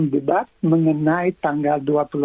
yang dibat mengenai tanggal dua puluh enam